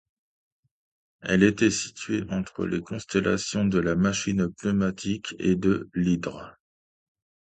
Elle était située entre les constellations de la Machine pneumatique et de l'Hydre.